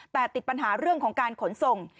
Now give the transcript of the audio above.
แต่ติดปัญหาเรื่องของการขนส่ง